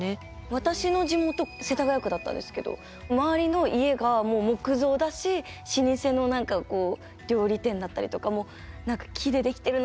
私の地元世田谷区だったんですけど周りの家がもう木造だし老舗の何かこう料理店だったりとかも木で出来てるな